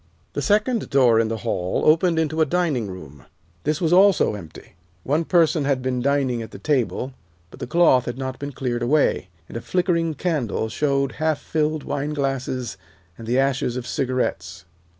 The second door in the hall opened into a dining room. This was also empty. One person had been dining at the table, but the cloth had not been cleared away, and a nickering candle showed half filled wineglasses and the ashes of cigarettes.